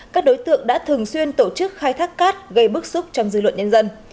các đối tượng đã thường xuyên tổ chức khai thác cát gây bức xúc trong dư luận nhân dân